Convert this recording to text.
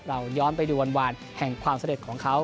เราย้อนไปดูวันแห่งความสำเร็จของเขา